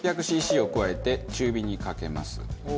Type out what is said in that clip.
シーシーを加えて中火にかけます。